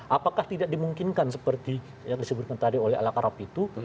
apakah tidak dimungkinkan seperti yang disebutkan tadi oleh alakarab itu